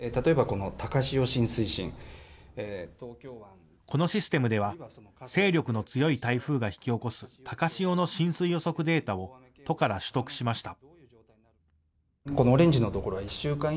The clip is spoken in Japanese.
このシステムでは勢力の強い台風が引き起こす高潮の浸水予測データを都から取得しました。